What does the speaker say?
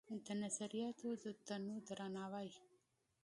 د نظریاتو د تنوع درناوی